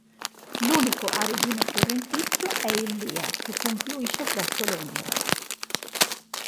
L'unico a regime torrentizio è il Lea, che confluisce presso Londra.